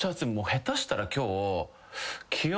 下手したら今日。